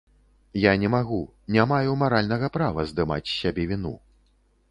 Я не магу, не маю маральнага права здымаць з сябе віну.